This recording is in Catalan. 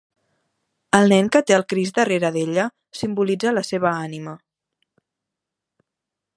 El nen que té el Crist darrere d'ella simbolitza la seva ànima.